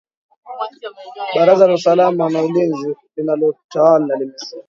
Baraza la usalama na ulinzi linalotawala limesema